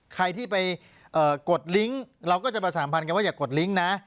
ใครที่ไปกดลิงก์เราก็จะประสานพันธ์กันว่าอย่ากดลิงค์นะ